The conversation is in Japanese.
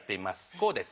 こうです。